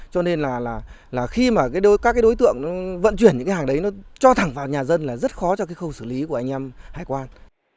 cho nên là khi mà các cái đối tượng vận chuyển những cái hàng đấy nó cho thẳng vào nhà dân là rất khó cho cái khâu xử lý của anh em hải quan